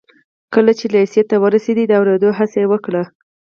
کله چې لېسې ته ورسېد د اورېدو هڅه یې وکړه